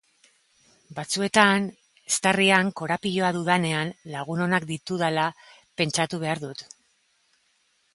Batzuetan eztarrian korapiloa dudanean lagun onak ditudala pentsatu behar dut.